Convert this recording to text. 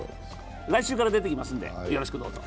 来週から出てきますんでよろしくどうぞ。